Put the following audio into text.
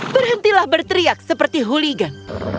berhentilah berteriak seperti huligan